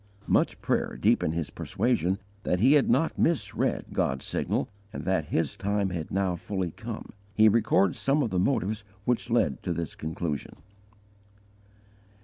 Much prayer deepened his persuasion that he had not misread God's signal, and that His time had now fully come. He records some of the motives which led to this conclusion.